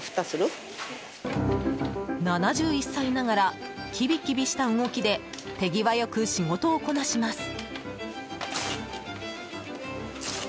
７１歳ながらキビキビした動きで手際良く仕事をこなします。